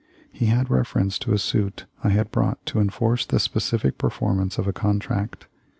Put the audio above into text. He had reference to a suit I had brought to enforce the specific per formance of a contract.